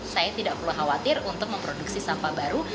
saya tidak perlu khawatir untuk memproduksi sampah baru